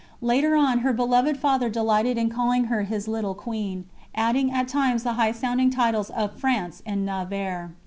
Later on, her beloved Father delighted in calling her his "Little Queen," adding at times the high sounding titles "Of France and Navarre."